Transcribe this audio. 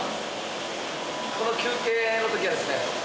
この休憩の時はですね